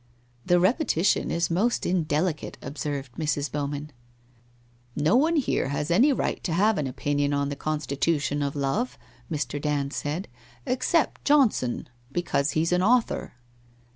' The repetition is most indelicate,' observed Mrs. Bow man. ' Xo one here has any right to have an opinion on the constitution of Love,' Mr. Dand said, ' except Johnson, be cause he's an author